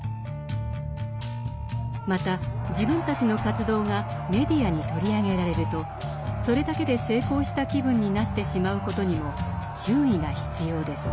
また自分たちの活動がメディアに取り上げられるとそれだけで成功した気分になってしまうことにも注意が必要です。